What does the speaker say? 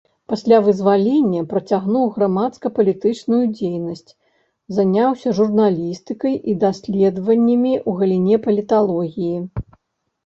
Пасля вызвалення працягнуў грамадска-палітычную дзейнасць, заняўся журналістыкай і даследваннямі ў галіне паліталогіі.